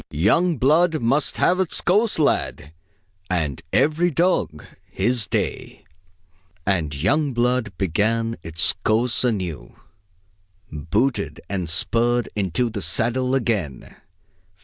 Young blood must have its course, lad, And every dog his day!" And young blood began its course anew. Booted and spurred, into the saddle again!